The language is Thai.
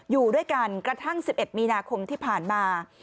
อยู่ด้วยกันกระทั่ง๑๑มีนาคมที่ผ่านมา